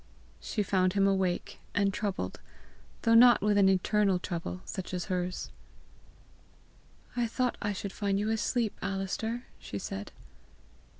She found him awake, and troubled, though not with an eternal trouble such as hers. "I thought I should find you asleep, Alister!" she said.